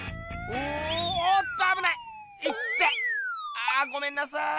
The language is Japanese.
あごめんなさい。